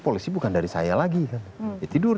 policy bukan dari saya lagi ya tidur